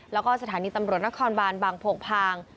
แล้วก็สถานีตำรวจนครบานบางโพงพาง